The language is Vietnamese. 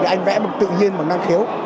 anh vẽ bằng tự nhiên bằng năng khiếu